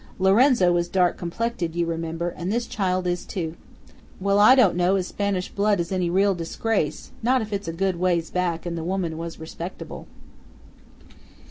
Lorenzo was dark complected, you remember, and this child is, too. Well, I don't know as Spanish blood is any real disgrace, not if it's a good ways back and the woman was respectable."